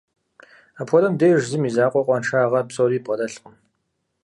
Апхуэдэм деж зым и закъуэ къуаншагъэ псори бгъэдэлъкъым.